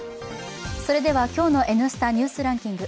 今日の「Ｎスタ・ニュースランキング」